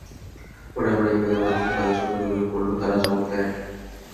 পরে আমরা ই-মেইলের মাধ্যমে তাদের সঙ্গে যোগাযোগ করলেও তারা জবাব দেয়নি।